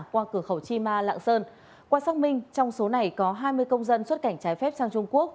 qua cửa khẩu chi ma lạng sơn qua xác minh trong số này có hai mươi công dân xuất cảnh trái phép sang trung quốc